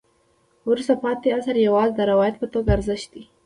وروسته پاتې عصر یوازې د روایت په توګه د ارزښت دی.